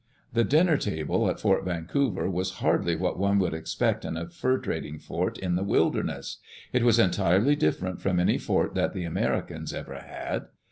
The dinner table at Fort Vancouver was hardly what one would expect in a fur trading fort in the wilderness. It was entirely different from any fort that the Americans ever had.